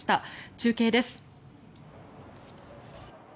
中継です。